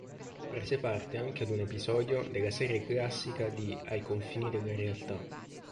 Prese parte anche ad un episodio della serie classica di "Ai confini della realtà".